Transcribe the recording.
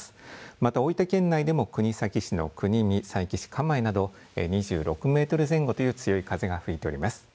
また大分県内でも国東市の国見に佐伯市蒲江など２６メートル前後と強い風が吹いております。